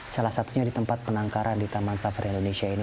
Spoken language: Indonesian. salah satunya di tempat penangkaran di taman safari indonesia ini